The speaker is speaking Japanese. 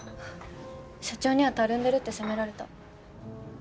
社長には「たるんでる」って責められた。